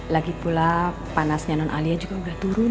lagi pula panasnya non alia juga udah turun